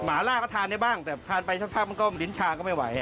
หล่าก็ทานได้บ้างแต่ทานไปสักพักมันก็ลิ้นชาก็ไม่ไหว